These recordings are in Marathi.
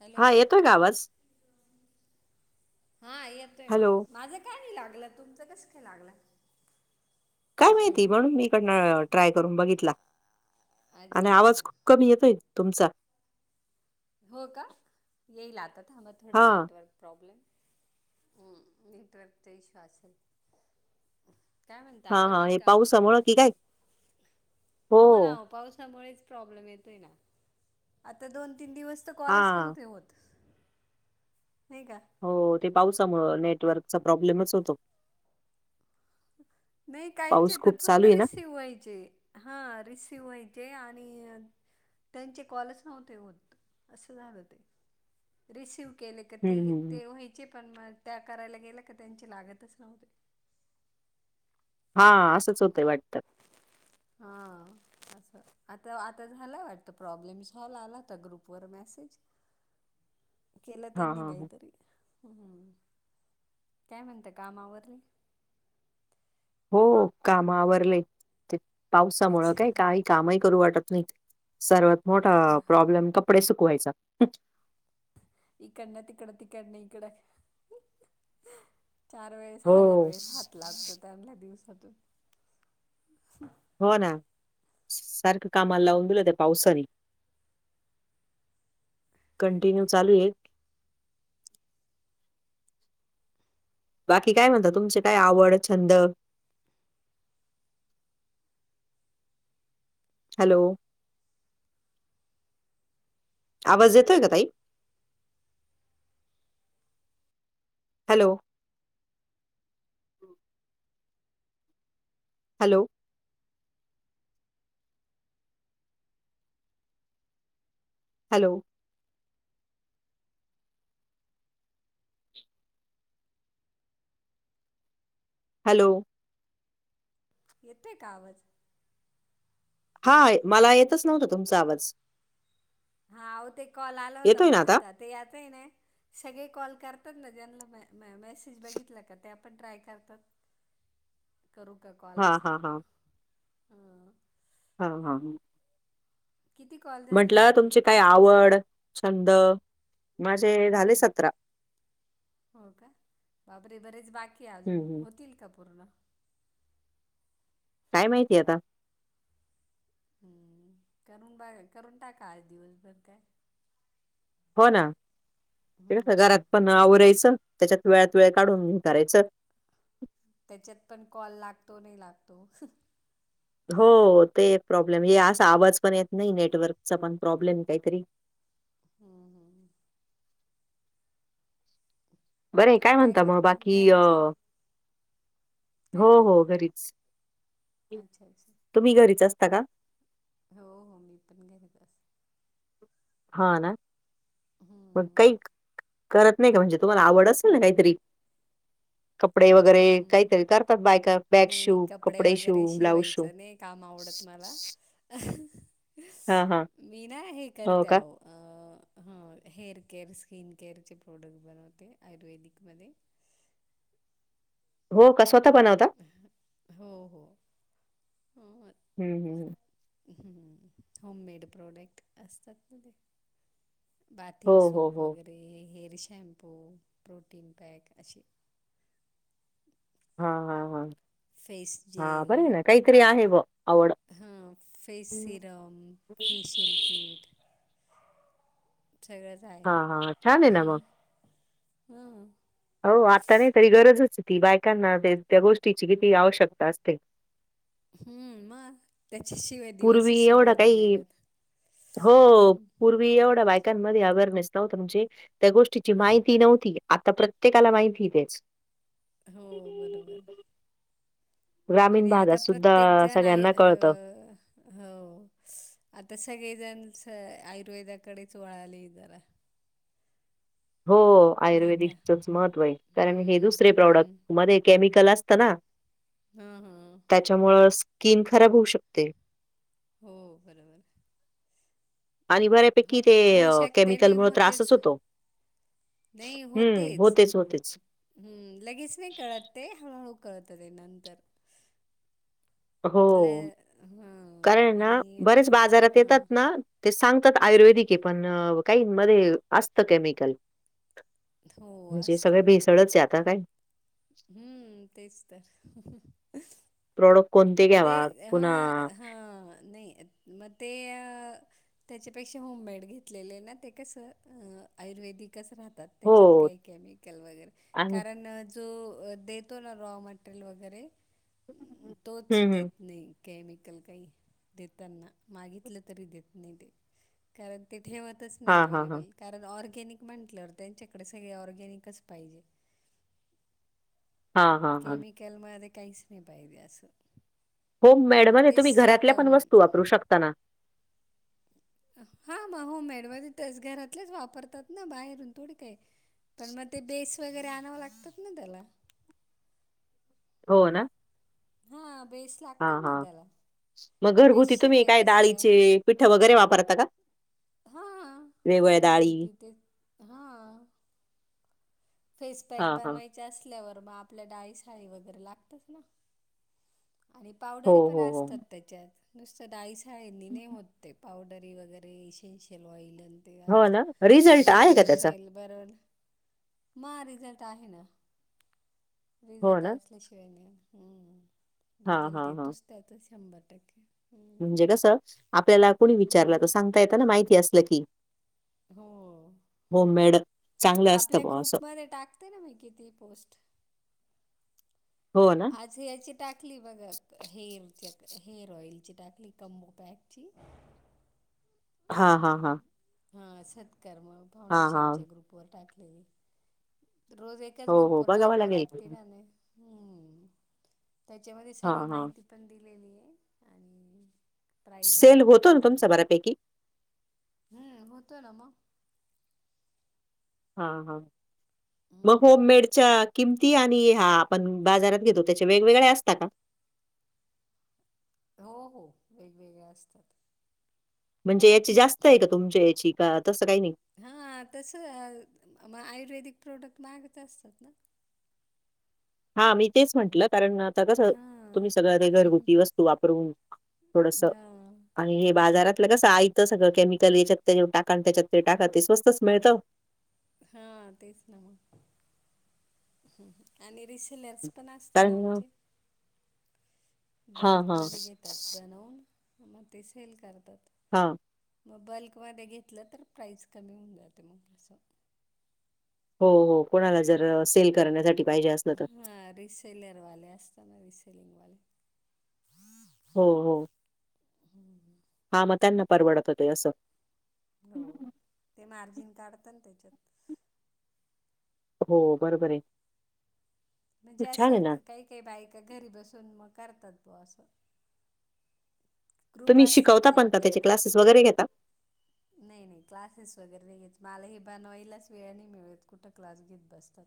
हॅलो हा येतोय का आवाज? हा येतोय हॅलो मला माझे काय नाही लागला तुमचं कस काय लागला काय माहिती म्हणून मी इकडनं ट्राय करून बघितला अच्छा आणि अच्छा आवाज खूप कमी येतोय‌ तुमचा हो का येईल आता थांबा हा थोडं नेटवर्क प्रॉब्लेम नेटवर्क चा इश्यू असेल काय म्हणता हा हा आवरली हे का काम पावसामुळं की काय? हो ना ओ पावसामुळेच प्रॉब्लेम येतोय ना आता दोन तीन दिवस तर कॉलच हा नव्हते होत नही का हो ते पावसामुळ नेटवर्कचा प्रॉब्लेमच होतो नाही पाऊस काहींचे तर खूप फक्त चालू आहे ना रिसीव्ह व्हायचे हा रिसिव्ह व्हायचे आणि त्यांचे कॉलच नव्हते होत असं झालं ते रिसीव्ह केले क ती हम्म हम्म हम्म. ते व्हायचे पण मग त्या करायला गेलं का त्यांचे लागतच नव्हते हा असंच होतंय वाटत हा अस आता आता झाला वाटतं प्रॉब्लेम सॉल्व आलाता ग्रुपवर मेसेज केलं हा त्यांनी हा हा काहीतरी हू काय म्हणता काम आवरली हो काम आवरले ते पावसामुळ अच्छा काय काही कामही करू वाटत नाही सर्वात मोठा प्रॉब्लेम कपडे सुकवायचा इकडनं तिकडं तिकड न इकड. चार वेळेस हो हजार वेळेस हात लागतो त्यांना दिवसातून. हो ना सारखं कामाला लावून दिलं त्या पावसानी. अरे कंटिन्यू चालू आहे. बाकी काय म्हणता तुमचे काय आवड, छंद. हॅलो. आवाज येतोय का ताई? हॅलो. हॅलो. हॅलो. हॅलो. येतय का आवाज? हाय मला येतच नव्हत तुमचा आवाज. हा आव ते कॉल आला होता. येतोय ना मध्ये आता? त्यात. ते यात येना सगळे कॉल करतात ना ज्यांनला म-मेसेज बघितला का त्या पण ट्राय करतात. करू का कॉल हां, असं. हां, ह हा किती कॉल झाले म्हंटलं तुमचे तुमची काय आवड, छंद. माझे हं, झाले हं. सतरा. हो का. बापरे बरेच बाकी हं, अजून हं. होतील का पूर्ण? काय माहिती आता. हम्म करून बघ करून टाका आज दिवसभर काय. हो ना, ते हं. घरात पण आवरायचं त्याच्यात वेळात वेळ काढून हे करायचं. त्याच्यात पण कॉल लागतो नाही लागतो. हो ते एक प्रॉब्लेम हे अस आवाज पण येत नाही. नेटवर्कचा पण प्रॉब्लेम काहीतरी. हम्म हम बरं ये काय तुम्ही म्हणता मग करता बाकी अ घरीच आहे हो काही नाही हो घरीच. अच्छा अच्छा तुम्ही घरीच असता का? हो हो मी पण घरीच असते. हा ना पण हं, काही करत नाही का म्हणजे तुम्हाला आवड असेल ना, काहीतरी? कपडे वगैरे काहीतरी हं. करतात बायका बॅग नाही नाही शिव, कपडे वगैरे शिव, ब्लाऊज शिव. शिवायचं नाही काम आवडत मला, हां, हां. मी ना हे हो करते का? आहो अ हेअर केअर, स्किन केअरचे, प्रॉडक्ट बनवते आयुर्वेदिकमध्ये. हो का स्वतः बनवता. हो हो हम् हम् हम्म होम मेड प्रोडक्ट असतात ना ते. हो, बाथिंग हो, सोप हो. वगैरे. ते हेअर शांपू पोर्टिन बाग अशे. हा हा हा हा बरं ये ना काहीतरी आहे ब आवड. हा फेस सिरम, फेशियल किट. सगळंच आहे. हां, हां. छान आहे ना मग. हो आता नाही तरी गरजच ती बायकांना त्या गोष्टीची किती आवश्यकता असते. हम्म मग त्याच्याशिवाय पूर्वी दिवसच सुरू एवढं होत नाही. काही हो,, हम्म पूर्वी एवढ्या बाय मधे अरनेस नव्हतं म्हणजे, त्या गोष्टीची माहिती नव्हती, आता प्रत्येकाला माहितीेय तेच हो बरोबर. ग्रामीण आणि भागात आता सुद्धा प्रत्येक जण आय सगळ्यांना अ कळतं. हो,, आता सगळेजण आयुर्वेदाकडेच वळाले जरा हो, नाही का? आयुर्वेदिकचच महत्व आहे, कारण हे हम्म दुसरे प्रॉडक्ट हम्म मध्ये केमिकल असतं ना. हा हा. त्याच्यामुळं स्किन खराब होऊ शकते. हो बरोबर. आणि बऱ्यापैकी ते होत होऊ अ, शकते नाही केमिकलमुळं होतेच. त्रासच होतो. नाही हं. होतेच. होतेच. हम्म, लगेच नाही कळत ते, हळूहळू कळतं ते नंतर. ल हो,, हां कारण ना आणि बरेच बाजारात हां येतात ना,, ते सांगतात हां आयुर्वेदिकये पण,, काहीन मध्ये असतं केमिकल. हो म्हणजे सगळे असतं ना. भेसळच आहे आता काय हम्म तेच तर प्रोडक कोणते मध्ये घ्यावा ह पुन्हा हा नाही म ते त्याच्यापेक्षा होममेड घेतलेले ना ते कसं, अ आयुर्वेदिकच राहतात. त्याच्यात हो काही केमिकल वगैरे आणि कारन जो देतो ना रॉ मटेरियल वगैरे,, तोच हं, हं. देत नाही केमिकल काही देताना,, मागितलं तरी देत नाही, कारण ते ठेवत तच नाही हां, हां, हां. अव्लेबल,, कारण ऑर्गॅनिक म्हंटलंवर त्यांच्याकडे सगळे ऑर्गॅनिकच पाहिजे. हां हां हां. कलमा ते काहीस नाही पाहिेजे असं. होममेड मग मधे तेच तुम्ही घरातल्या पण स्वतःहून वस्तू वापरू शकता ना.. हा मग होममेड मधे तेच घरातलेच वापरतात ना, बाहेरून थोडी काही पण मग ते बेस वगैरे आणावं लागतात ना त्याला. हो ना. हा बेस हा लागतात हा,, ना त्याला मग घरगुती तुम्ही बेसशिवाय काय कसं डाळीचे पिठं वगैरे वापरता का? हा,, वेगवेगळ्या डाळी? घरगुती तेच हा फेस पॅक हां, हां. बनवायचे असल्यावर मग आपल्या डाळी साळी वगैरे लागतच ना. आणि हो, पावडरी पण हो, हो. असतात त्याच्यात,, नुसतं डाळी साळींनी नै होत ते. पावडरी वगैरे, इसेन्शियल ऑइलन, ते हो आज ना? रिझल्ट आहे का फ्रेगरन्स त्याचा? ऑईल बरोबर, म रिझल्ट आहे ना,, हो रिझल्ट ना? अस सल्याशिवाय नाही, हां, रीझल्ट हां, हां. देतोच त्यातच शंभर टक्के. हम्म. म्हणजे कसं, आपल्याला कोणी हम्म. विचारलं तर सांगता येतं ना माहिती असलं की. हो,, होम मेड चांगलं असतं आपल्या बुवा असं. ग्रुपमध्ये टाकते ना मी कितीही पोस्ट. हो ना? आज ह्याची टाकली बघा, हेअर च्या हेअर ऑइलची टाकली कंबो पॅकची. हा हा हां. हा सत्कर्म हां, हां. फाउंडेशनच्या ग्रुप वर टाकलेली, रोज एकऽ हो, हो. चग्रुपवर बघावं टाकावं लागेल. लागते ना, त्याच्यामधे सगळी हां, हां. माहिती--ऽ पण दिलेली आहे, आणिऽ सेल होतो ना तुमचा बऱ्यापैकी? हम्म, होतोय ना मग. हा हा, मग हम्म. होममेडच्या किंम ती आणि हा आपण बाजारात घेतो, त्याचे वेगवेगळे असता का? हो हो, वेगवेगळ्या असतात. म्हणजे याची जास्त आहे का तुमच्या याची? का तसं काही नाही? हा, तस मग आयुर्वेदिक प्रोडक्ट माहागच असतात ना. हा मी तेच म्हंटलं. कारण आता कसं, हां. तुम्ही सगळ्या ते घरगुती वस्तू वापरून थोडसं हां आणि हे बाजारातलं कसं आयत सगळं, केमिकल हेच्यात ते टाका, त्याच्यात ते टाका, ते स्वस्तच मिळतं. हा तेच ना मग. आणि रिसेलर्स पण असत कारण ना आमचे. हां, हां, बल्कमध्ये घेतात बनवून, मग ते सेल करतात. हां. मग बल्कमध्ये घेतलं तर, प्राईस कमी होऊन जाते, म बा असं. हो हो, कोणाला जर सेल करण्यासाठी पाहिजे असलं तर. हा, रिसेलरवाले असता ना रिसेलिंगवाले. हो हो. हम्म ह. हा मग त्यांना परवडत होते असं. हो, ते मार्जिन काढता ना त्याच्यात. हो, बरोबरे. म्हणजे असं, काही काही बायका घरी बसून मग करतात बो असं. ग्रूप तुम्ही असतात शिकवता पण का त्यांचे त्याचे ना क्लासेस वगैरे घेता? नाही नाही क्लासेस वगैरे नाही घेत, मला हे बनवायलाच वेळ नाही मिळत. कुठं क्लास घेत बसता.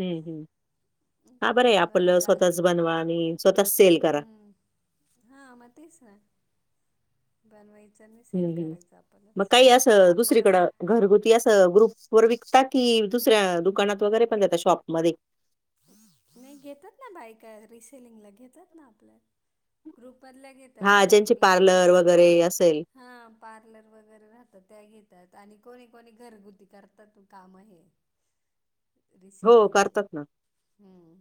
हम्म, हम्म. हं, हा बरंय, बनवायला आपलं ला स्वतःच बनवा आणि स्वतःच सेल करा. हा, म तेच ना. बनवायचं आणि हम्म, सेल हं. करायचं मग आपणच काही ते असं आपल्याला मा दुसरीकडं घरगुती अस ग्रुपवर विकता की, दुसऱ्या दुकानात वगैरे पण देता शॉपमध्ये? नाही घेतात ना बायका, रिसेलिंगला घेतात ना आपल्या ग्रुपमधल्या घेता हा ज्यांची पार्लर वगैरे असेल हा पार्लर वगैरे राहतात, त्या घेतात आणि कोणी कोणी घरगुती करतात ते काम हे. हो रिसेलिंगचे करतात ना. हम्म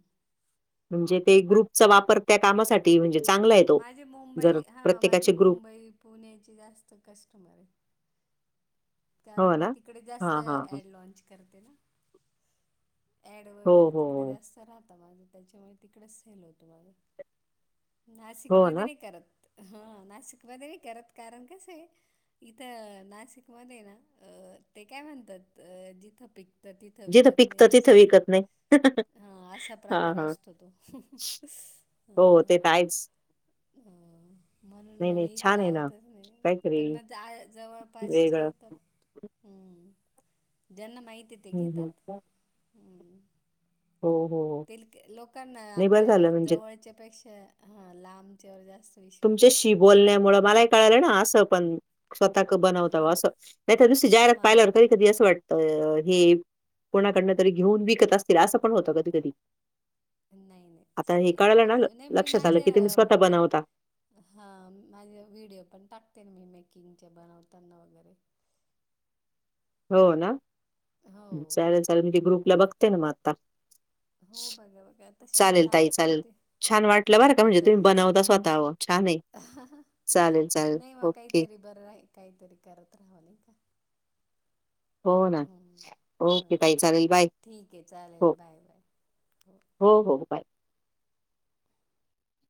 म्हणजे ते ग्रुपचा वापर त्या कामासाठी म्हणजे चांगला आहे हा तो. माझी मुंबई, जर हा माझी प्रत्येकाचे ग्रुप मुंबई, पुण्याची जास्त कस्टमर आहे‌. कारण हो ना? मी तिकडे जास्त हां, हां, हां. ऍड लॉनच करते ना. ऍड हो, वगैरे हो, तिकडे हो. जास्त राहता माझे, त्याच्यामुळे तिकडेच सेल होतो माझं. हो नाशिकमध्ये ना? नाही करत, हा नाशिकमध्ये नाही करत, कारण कसंय इथं नाशिकमध्ये ना, ते काय म्हणतात, जिथं पिक त, तिथं जिथं विकत नाही. पिकतं अस तिथं विकत नाही. हा असा हां, प्रकार हां. असतो तो. हो, ते तर आहेच. [unintelligible] म्हणून नाही, मग म नाही इथे छान आहे ना लावतच नाही. काहीतरी पण जाय जवळपासची वेगळं घेतात. हम्म, ज्यांना माहित आहे ते हं, घेतात. हं. हो, हम्म हो हो ते लोकांना नाही बरं आपल्या झालं म्हणजे जवळच्या पेक्षा हा लांबच्यावर जास्त विश्वास तुमच्याशी असतो नाही का? बोलण्यामुळ मलाही कळाल ना अस पण स्वतः क बनवता हा बवा अस. नाही त्या दुसरी जाहिरात हा पाहिल्यावर हा करी कधी अस वाटत हे कोणाकडन तरी घेऊन विकत असतील. अस पण होत कधी कधी. नाही नाही तस काही नाही. ना मी नाही म लक्षात आलं की तुम्ही माझ्या स्वतः म बनवता. हा माझे व्हिडिओ पण टाकते ना मी मेकिंगचे बनवताना वगैरे. हो ना, हो चालेल चालेल, मी ते ग्रुपला बघते मग आता. हो बघा बघा तसे मी चालेल ताई टाकत चालेल. राहते छान वाटल बर का ओके म्हणजे तुम्ही चल बनवता स्वतः छान आहे. चालेल चालेल ओके. बर आहे. काहीतरी करत राहव नाही का. हो ना, हो ओके ताई चालेल बाय. ठीक आहे चालेल हो बाय बाय हो हो बाय.